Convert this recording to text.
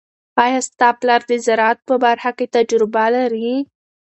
آیا ستا پلار د زراعت په برخه کې تجربه لري؟